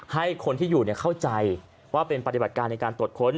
ให้คนที่อยู่เข้าใจว่าเป็นปฏิบัติการในการตรวจค้น